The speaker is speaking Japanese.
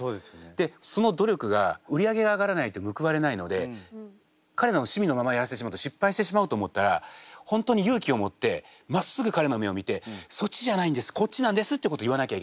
でその努力が売り上げが上がらないと報われないので彼の趣味のままやらせてしまうと失敗してしまうと思ったら本当に勇気を持ってまっすぐ彼の目を見てそっちじゃないんですこっちなんですってことを言わなきゃいけない。